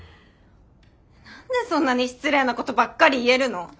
何でそんなに失礼なことばっかり言えるの？